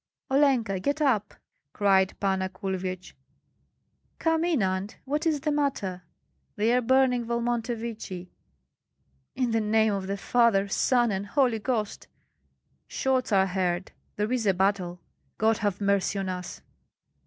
"Olenka, get up!" cried Panna Kulvyets. "Come in, Aunt, what is the matter?" "They are burning Volmontovichi!" "In the name of the Father, Son, and Holy Ghost!" "Shots are heard, there is a battle! God have mercy on us!"